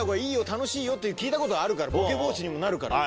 楽しいよって聞いたことあるからボケ防止にもなるから。